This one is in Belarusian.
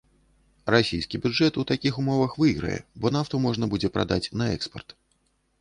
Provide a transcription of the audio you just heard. Расійскі бюджэт у такіх умовах выйграе, бо нафту можна будзе прадаць на экспарт.